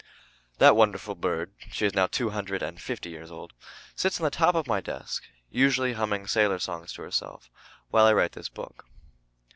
That wonderful bird (she is now nearly two hundred and fifty years old) sits on the top of my desk, usually humming sailor songs to herself, while I write this book.